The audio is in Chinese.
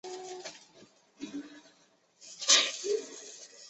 每分钟计数测到的电离事件的计数。